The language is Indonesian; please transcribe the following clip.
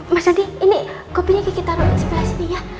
mas nanti ini kopinya gigi taruh di sebelah sini ya